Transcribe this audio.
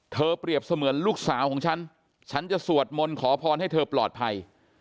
เปรียบเสมือนลูกสาวของฉันฉันจะสวดมนต์ขอพรให้เธอปลอดภัย